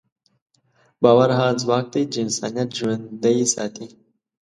باور هغه ځواک دی چې انسانیت ژوندی ساتي.